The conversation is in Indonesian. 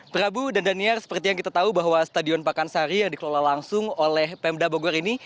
prabu dan daniar seperti yang kita tahu bahwa stadion pakansari yang dikelola langsung oleh pemda bogor ini